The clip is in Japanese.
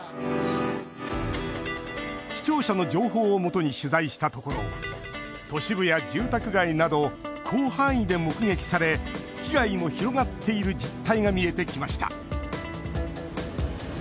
視聴者の情報をもとに取材したところ都市部や住宅街など広範囲で目撃され被害も広がっている実態が見えてきました。